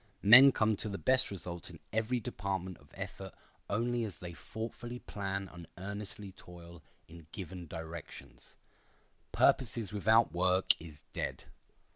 Men come to the best results in every department of effort only as they thoughtfully plan and earnestly toil in given directions. Purposes without work is dead.